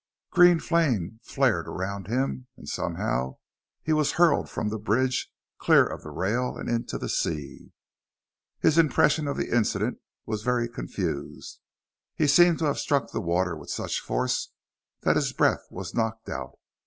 Green flame flared around him; and somehow he was hurled from the bridge, clear of the rail and into the sea. His impression of the incident was very confused. He seemed to have struck the water with such force that his breath was knocked out.